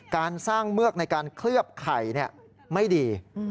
การสร้างเมือกในการเคลือบไข่ไม่ดี